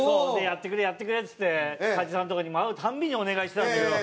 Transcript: やってくれやってくれっつって加地さんのとこにもう会うたびにお願いしてたんだけど。